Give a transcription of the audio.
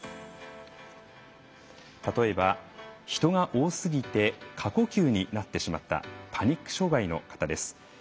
例えば、人が多すぎて過呼吸になってしまったパニック障害の方です。